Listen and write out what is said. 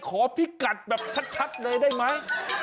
ขอพีกรรตแบบชัดเลยได้ไหม